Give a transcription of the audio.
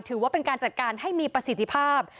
ถือว่าเป็นการจัดการให้มีประสิทธิภาพ